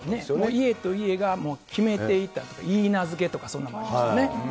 家と家が決めていた、いいなずけとかそんなのもありましたよね。